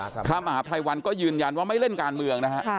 พระมหาภัยวันก็ยืนยันว่าไม่เล่นการเมืองนะฮะ